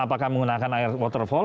apakah menggunakan air waterfall